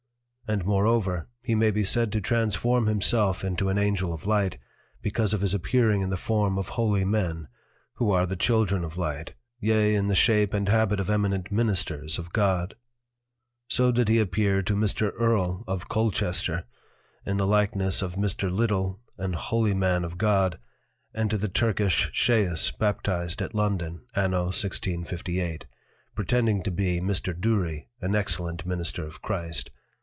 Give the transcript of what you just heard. And moreover, he may be said to transform himself into an Angel of Light, because of his appearing in the Form of Holy Men, who are the Children of Light, yea in the shape and habit of Eminent Ministers of God. So did he appear to Mr. Earl of Colchester in the likeness of Mr. Liddal an Holy Man of God, and to the Turkish Chaous Baptized at London, Anno 1658. pretending to be Mr. Dury an Excellent Minister of Christ.